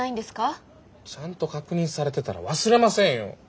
ちゃんと確認されてたら忘れませんよ。